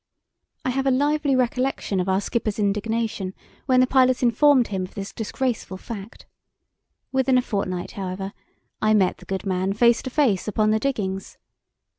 I have a lively recollection of our skipper's indignation when the pilot informed him of this disgraceful fact. Within a fortnight, however, I met the good man face to face upon the diggings.